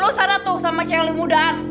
lu sana tuh sama celi mudan